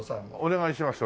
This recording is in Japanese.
お願いします